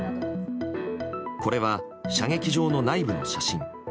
これは射撃場の内部の写真。